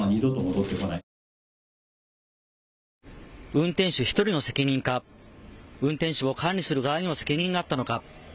運転手１人の責任か、運転手を管理する側の責任があったのか。